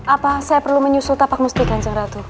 apa saya perlu menyusul tapak musti kanjeng ratu